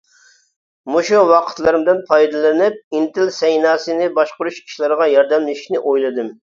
مۇشۇ ۋاقىتلىرىمدىن پايدىلىنىپ ئىنتىل سەيناسىنى باشقۇرۇش ئىشلىرىغا ياردەملىشىشنى ئويلىدىم.